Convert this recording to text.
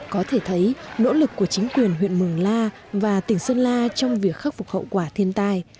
có thể thấy nỗ lực của chính quyền huyện mường la và tỉnh sơn la trong việc khắc phục hậu quả thiên tai